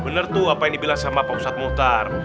benar tuh apa yang dibilang sama pak ustadz muhtar